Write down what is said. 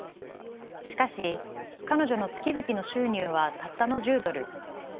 しかし彼女の月々の収入はたったの１０ドル。